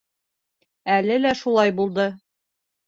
Әле лә шулай булды.